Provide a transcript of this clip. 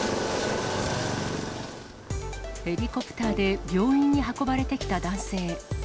ヘリコプターで病院に運ばれてきた男性。